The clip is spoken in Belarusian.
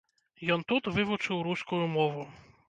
Ён тут вывучыў рускую мову.